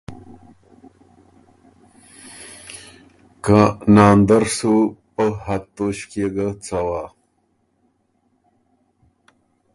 که ناندر سُو پۀ حد توݭکيې ګۀ څوا